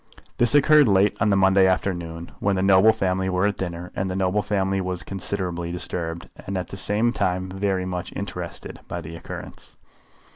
This occurred late on the Monday afternoon, when the noble family were at dinner, and the noble family was considerably disturbed, and at the same time very much interested, by the occurrence.